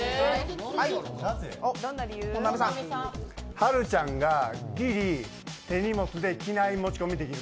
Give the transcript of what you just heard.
はるちゃんがギリ手荷物で機内持ち込みできる。